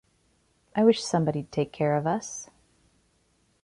I wish somebody'd take care of us.